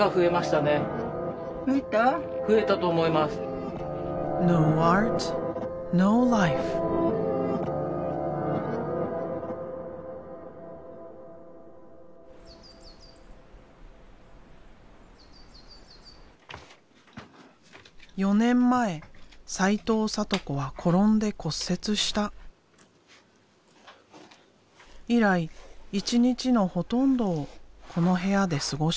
以来一日のほとんどをこの部屋で過ごしている。